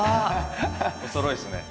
おそろいっすね。